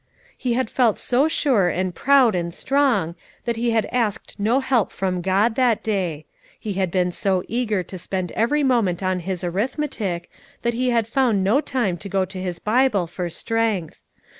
He had felt so sure and proud and strong, that he had asked no help from God that day; he had been so eager to spend every moment on his arithmetic, that he had found no time to go to his Bible for strength.